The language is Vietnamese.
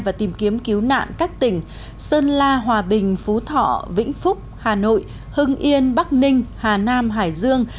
và tìm kiếm cứu nạn các tỉnh sơn la hòa bình phú thọ vĩnh phúc hà nội hưng yên bắc ninh hà nam hải dương